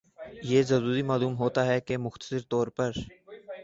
یہ ضروری معلوم ہوتا ہے کہ مختصر طور پر